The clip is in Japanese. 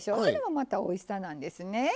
それもまたおいしさなんですね。